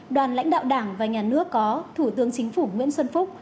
đoàn lãnh đạo đảng và nhà nước có thủ tướng chính phủ nguyễn xuân phúc